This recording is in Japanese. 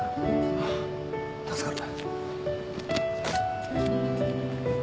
ああ助かる。